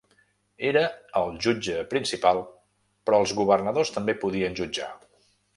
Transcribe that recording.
Era el jutge principal però els governadors també podien jutjar.